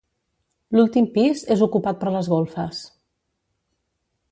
L'últim pis és ocupat per les golfes.